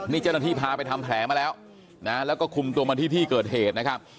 นี่เจ้าหน้าที่พาไปทำแผลมาแล้วนะแล้วก็คุมตัวมาที่ที่เกิดเหตุนะครับ